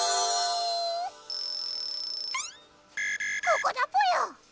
ここだぽよ！